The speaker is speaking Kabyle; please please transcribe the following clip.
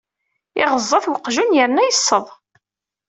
Iɣeẓẓa-t weqjun yerna yesseḍ.